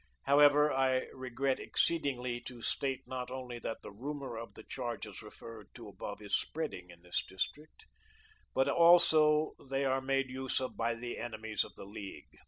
However, I regret exceedingly to state not only that the rumour of the charges referred to above is spreading in this district, but that also they are made use of by the enemies of the League.